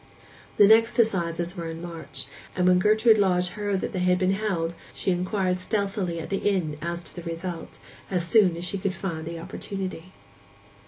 The next assizes were in March; and when Gertrude Lodge heard that they had been held, she inquired stealthily at the inn as to the result, as soon as she could find opportunity.